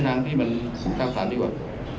แต่ที่มันการสายดีกว่า